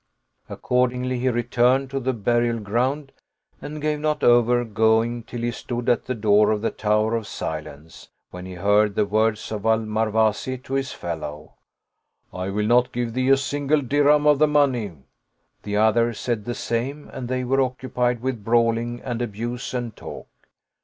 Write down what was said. Accordingly he returned to the burial ground and gave not over going till he stood at the door of the Tower of Silence, when he heard the words of Al Mar wazi to his fellow, " I will not give thee a single dirham of the money I " The other said the same and they were occu pied with brawling and abuse and talk.